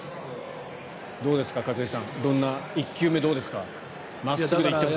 どうですか、長嶋さん１球目どうですか？